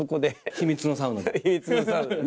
秘密のサウナで。